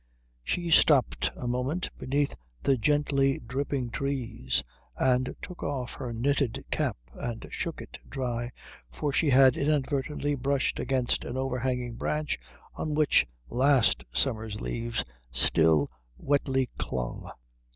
She stopped a moment beneath the gently dripping trees and took off her knitted cap and shook it dry, for she had inadvertently brushed against an overhanging branch on which last summer's leaves still wetly clung.